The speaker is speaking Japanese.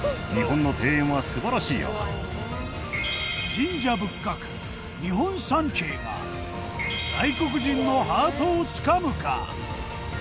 神社仏閣日本三景が外国人のハートをつかむか？